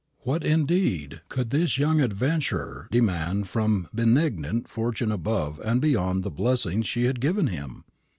What, indeed, could this young adventurer demand from benignant Fortune above and beyond the blessings she had given him??